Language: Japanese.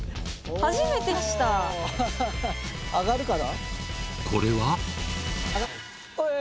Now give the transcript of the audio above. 初めて見ました上がるかな？